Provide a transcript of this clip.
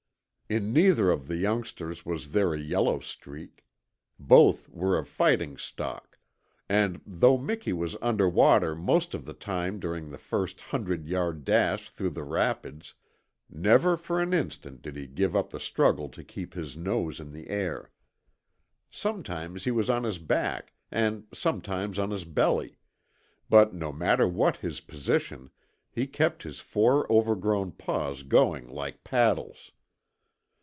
In neither of the youngsters was there a yellow streak. Both were of fighting stock, and, though Miki was under water most of the time during their first hundred yard dash through the rapids, never for an instant did he give up the struggle to keep his nose in the air. Sometimes he was on his back and sometimes on his belly; but no matter what his position, he kept his four overgrown paws going like paddles.